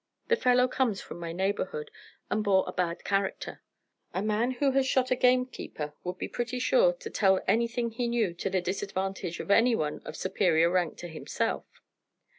The fellow comes from my neighbourhood, and bore a bad character. A man who has shot a gamekeeper would be pretty sure to tell anything he knew to the disadvantage of any one of superior rank to himself.